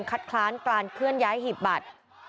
คัดค้านการเคลื่อนย้ายหีบบัตร